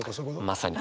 まさに。